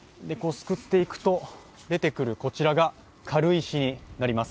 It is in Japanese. すくっていくと出てくるこちらが軽石になります。